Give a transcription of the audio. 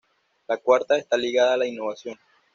La cuarta está ligada a la innovación.